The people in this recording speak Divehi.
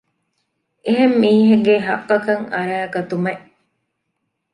އެހެން މީހެއްގެ ޙައްޤަކަށް އަރައިގަތުމެއް